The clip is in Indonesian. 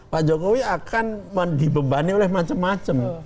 pak jokowi akan dibebani oleh macam macam